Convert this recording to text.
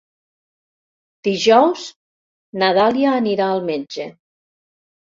Dijous na Dàlia anirà al metge.